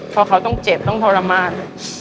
เพราะเขาต้องเจ็บต้องทรมาน